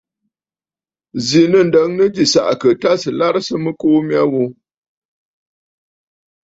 Zǐ nɨ̂ ǹdəŋnə jì sàʼàkə̀ tâ sɨ̀ larɨsə mɨkuu mya ghu.